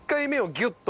ギュッと。